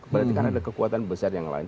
berarti karena ada kekuatan besar yang lain